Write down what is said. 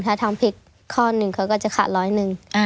เขาก็เกลอฮาดล้อยหนึ่ง